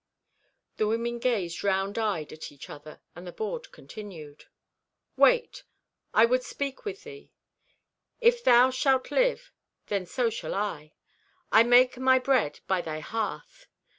The women gazed, round eyed, at each other, and the board continued: "Wait. I would speak with thee. If thou shalt live, then so shall I. I make my bread by thy hearth.